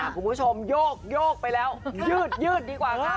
คุณผู้ชมโยกไปแล้วยืดดีกว่าค่ะ